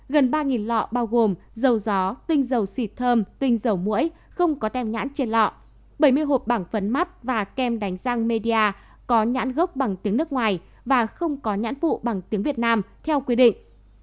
gần ba lọ bao gồm dầu gió tinh dầu xịt thơm tinh dầu mũi không có tem nhãn trên lọ bảy mươi hộp bảng phấn mắt và kem đánh răng media có nhãn gốc bằng tiếng nước ngoài và không có nhãn phụ bằng tiếng việt nam theo quy định